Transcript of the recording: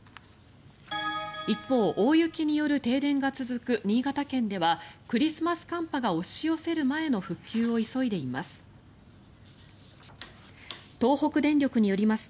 一方、大雪による停電が続く新潟県ではクリスマス寒波が押し寄せる前の復旧を急いでいます。